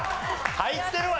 入ってるわ！